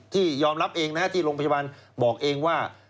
ที่ยอมรับเองนะฮะที่โรงพยาบาลบอกเองว่า